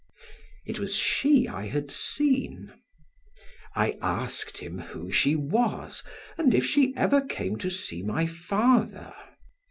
It was she I had seen. I asked him who she was and if she ever came to see my father.